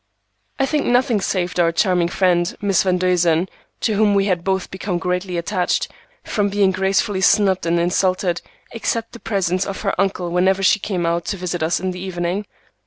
I think nothing saved our charming friend, Miss Van Duzen, to whom we had both become greatly attached, from being gracefully snubbed and insulted, except the presence of her uncle, whenever she came out to visit us in the evening.